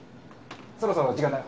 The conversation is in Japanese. そろそろ時間だよ。